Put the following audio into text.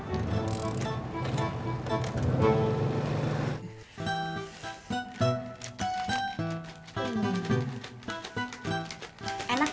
tapi tetep gatel